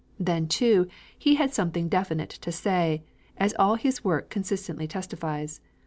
Then too he had something definite to say, as all his work consistently testifies.